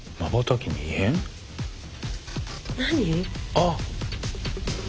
あっ！